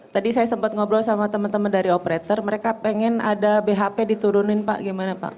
tadi saya sempat ngobrol sama teman teman dari operator mereka pengen ada bhp diturunin pak gimana pak